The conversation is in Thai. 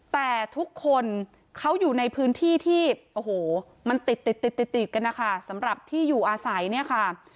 แต่ทุกคนเขาอยู่ในพื้นที่ที่โอ้โหมันติดติดติดกันนะคะสำหรับที่อยู่อาศัยเนี่ยค่ะ